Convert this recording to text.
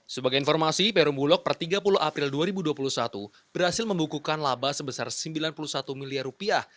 sebagai informasi perum bulog per tiga puluh april dua ribu dua puluh satu berhasil membukukan laba sebesar sembilan puluh satu miliar rupiah